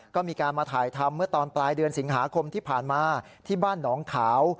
ก็มีการมาถ่ายทำเมื่อตอนปลายเดือนสิงหาคมที่ผ่านมาที่บ้านหนองขาว